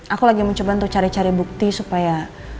aku lagi mencoba untuk cari cari bukti supaya